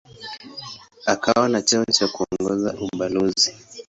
Akiwa na cheo cha kuongoza ubalozi.